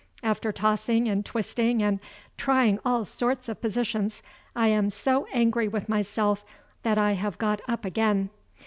After tossing and twisting and trying all sorts of positions, I am so angry with myself that I have got up again.